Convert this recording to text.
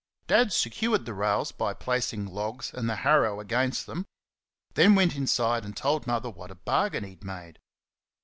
Dad secured the rails by placing logs and the harrow against them, then went inside and told Mother what a bargain he'd made.